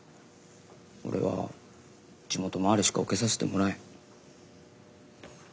俺は地元まわりしか受けさせてもらえん。